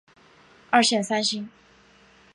二线三星。